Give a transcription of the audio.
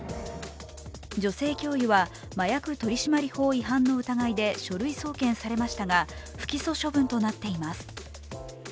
女性教諭は、麻薬取締法違反の疑いで書類送検されましたが不起訴処分となっています。